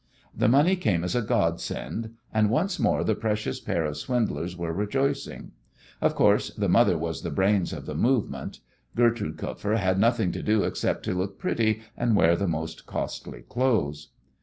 The money came as a godsend, and once more the precious pair of swindlers were rejoicing. Of course, the mother was the brains of the movement. Gertrude Kupfer had nothing to do except to look pretty and wear the most costly clothes.